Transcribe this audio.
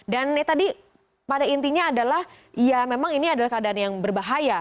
dan tadi pada intinya adalah ya memang ini adalah keadaan yang berbahaya